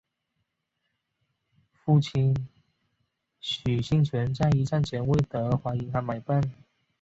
父亲许杏泉在一战前为德华银行买办。